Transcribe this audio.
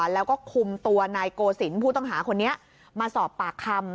แล้วก็คุมตัวนายโกศิลป์ผู้ต้องหาคนนี้มาสอบปากคำ